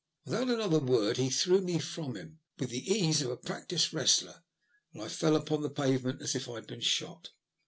Without another word he threw me from him, with the ease of a practised wrestler, and I fell upon the pavement as if I had been shot.